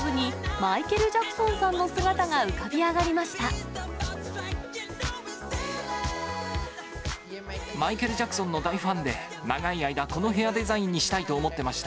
マイケル・ジャクソンの大ファンで、長い間、このヘアデザインにしたいと思っていました。